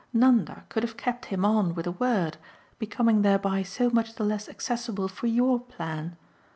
Nanda could have kept him on with a word, becoming thereby so much the less accessible for YOUR plan.